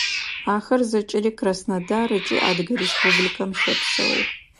Ахэр зэкӏэри Краснодар ыкӏи Адыгэ Республикэм щэпсэух.